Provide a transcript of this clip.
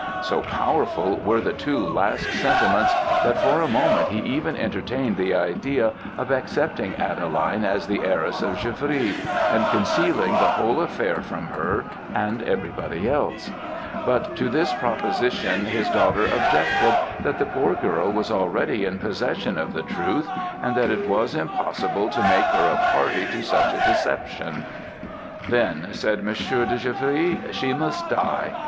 So powerful were the two last sentiments, that for a moment he even entertained the idea of accepting Adeline as the heiress of Givry, and concealing the whole affair from her and every body else; but to this proposition his daughter objected that the poor girl was already in possession of the truth, and that it was impossible to make her a party to such a deception. "'Then,' said Monsieur de Givry, 'she must die!